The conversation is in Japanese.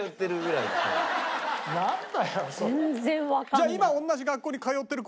じゃあ今。